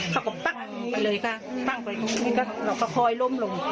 เขาก็ปะก็เลยค่ะปั้งไปเลยค่ะแล้วเขาคอยลดลง